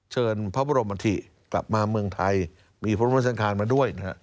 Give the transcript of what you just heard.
เชิญพระบรมที่กลับมาเมืองไทยมีพระบรมราชาญคารมาด้วย